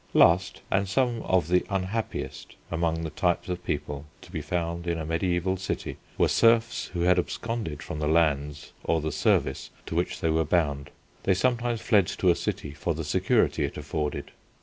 Last, and some of the unhappiest, among the types of people to be found in a mediæval city were serfs who had absconded from the lands or the service to which they were bound. They sometimes fled to a city for the security it afforded.